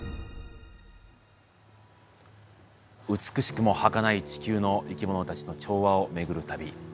美しくもはかない地球の生き物たちの調和を巡る旅。